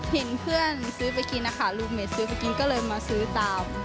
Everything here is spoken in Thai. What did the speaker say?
เห็นเพื่อนซื้อไปกินนะคะลูกเม็ดซื้อไปกินก็เลยมาซื้อตาม